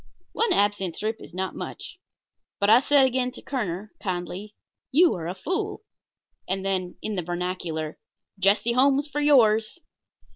One absinthe drip is not much but I said again to Kerner, kindly: "You are a fool." And then, in the vernacular: "Jesse Holmes for yours."